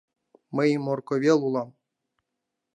— Мый Морко вел улам.